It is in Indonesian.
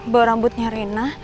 bawa rambutnya reina